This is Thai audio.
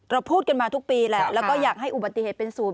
พูดกันมาทุกปีแหละแล้วก็อยากให้อุบัติเหตุเป็นศูนย์